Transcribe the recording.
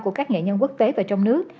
của các nghệ nhân quốc tế và trong nước